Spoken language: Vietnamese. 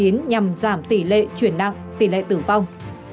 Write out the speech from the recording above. nhằm giảm tỷ lệ chuyển nặng tỷ lệ tử vong